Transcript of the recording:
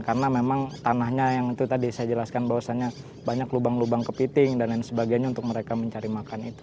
karena memang tanahnya yang itu tadi saya jelaskan bahwasannya banyak lubang lubang kepiting dan lain sebagainya untuk mereka mencari makan itu